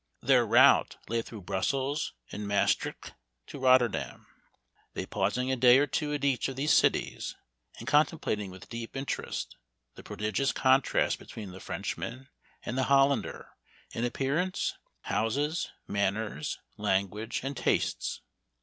Their route lay through Brussels and Maestricht to Rotterdam, they pausing a day or two at each of these cities, and contemplating with deep interest the pro digious contrast between the Frenchman and the Hollander in appearance, houses, manners, language, and tastes.